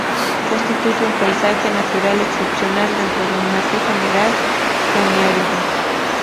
Constituye un paisaje natural excepcional dentro de un marco general semiárido.